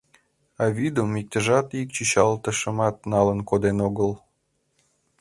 А вӱдым иктыжат ик чӱчалтышымат налын коден огыл.